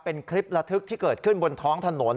เป็นคลิประทึกที่เกิดขึ้นบนท้องถนน